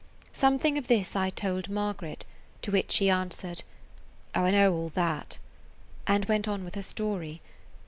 Something of this I told Margaret, to which she answered, "Oh, I know all that," and went on with her story.